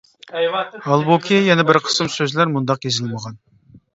ھالبۇكى، يەنە بىر قىسىم سۆزلەر مۇنداق يېزىلمىغان.